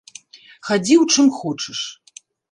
Хадзі ў чым хочаш!